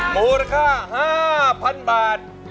มูลค่า๕๐๐๐บาท